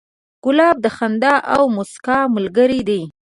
ګلاب د خندا او موسکا ملګری دی.